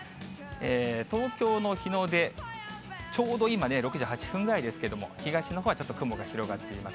東京の日の出、ちょうど今ね、６時８分ぐらいですけれども、東のほうはちょっと雲が広がっています。